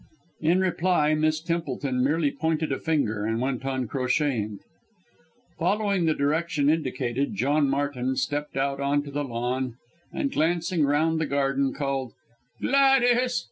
In reply Miss Templeton merely pointed a finger and went on crocheting. Following the direction indicated, John Martin stepped out on to the lawn, and glancing round the garden, called "Gladys!"